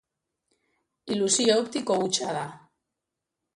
Ilusio optiko hutsa da.